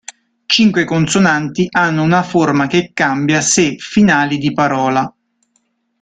Cinque consonanti hanno una forma che cambia se finali di parola.